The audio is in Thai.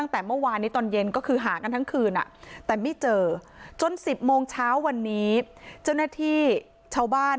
แต่ไม่เจอจน๑๐โมงเช้าวันนี้เจ้านาทีชาวบ้าน